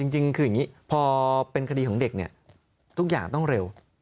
จริงคืออย่างนี้พอเป็นคดีของเด็กเนี่ยทุกอย่างต้องเร็ว